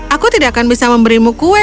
aku tidak akan bisa memberimu kue